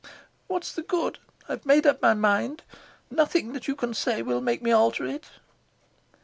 "What is the good? I've made up my mind. Nothing that you can say will make me alter it."